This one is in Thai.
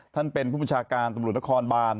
ท่านเป็นผู้บัญชาการตำรวจนครบาน